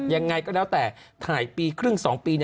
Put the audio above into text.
ยังไงก็แล้วแต่ถ่ายปีครึ่ง๒ปี